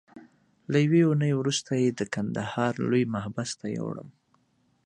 له یوې اونۍ وروسته یې د کندهار لوی محبس ته یووړم.